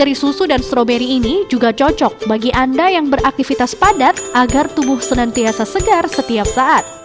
dari susu dan stroberi ini juga cocok bagi anda yang beraktivitas padat agar tubuh senantiasa segar setiap saat